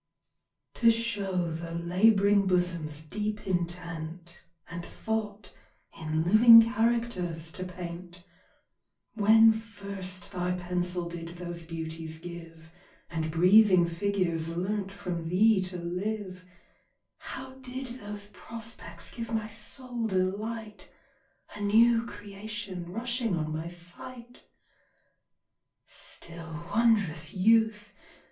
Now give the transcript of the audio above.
TO show the lab'ring bosom's deep intent, And thought in living characters to paint, When first thy pencil did those beauties give, And breathing figures learnt from thee to live, How did those prospects give my soul delight, A new creation rushing on my sight? Still, wond'rous youth!